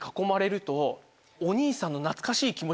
お兄さんの。